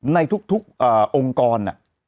ในทุกองค์กร